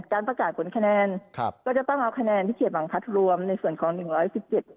การประกาศผลคะแนนครับก็จะต้องเอาคะแนนที่เขตบางพัฒน์รวมในส่วนของหนึ่งร้อยสิบเจ็ด